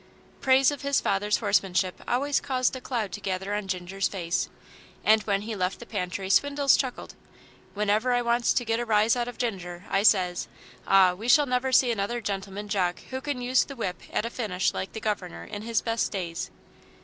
Praise of his father's horsemanship always caused a cloud to gather on Ginger's face, and when he left the pantry Swindles chuckled. "Whenever I wants to get a rise out of Ginger I says, 'Ah, we shall never see another gentleman jock who can use the whip at a finish like the Governor in his best days.'"